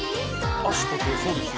足と手そうですよ。